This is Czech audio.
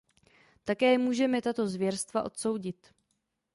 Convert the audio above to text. Také můžeme tato zvěrstva odsoudit.